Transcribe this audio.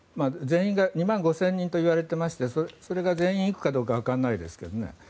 ２万５０００人といわれていましてそれが全員行くかどうかわからないですけどね。